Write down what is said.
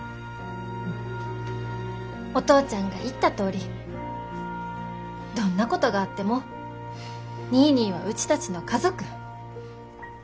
お父ちゃんが言ったとおりどんなことがあってもニーニーはうちたちの家族。